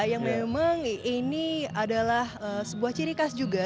yang memang ini adalah sebuah ciri khas juga